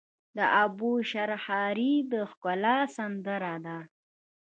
د اوبو شرهاری د ښکلا سندره ده.